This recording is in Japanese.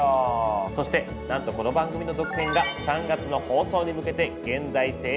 そしてなんとこの番組の続編が３月の放送に向けて現在制作中なんです。